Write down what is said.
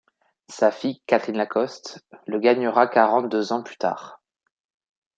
Sa fille Catherine Lacoste le gagnera quarante-deux ans plus tard.